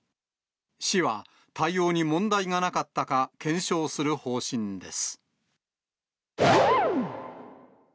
市は対応に問題がなかったか、検証する方針です。